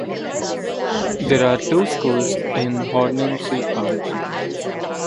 There are two schools in Horningsea Park.